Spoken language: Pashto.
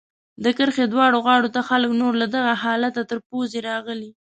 د کرښې دواړو غاړو ته خلک نور له دغه حالته تر پوزې راغله.